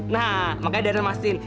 nah makanya darren mastiin